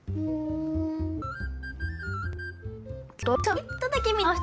いただきます。